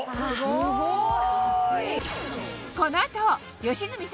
すごい！